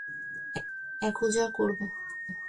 এখন কার পূজা করব?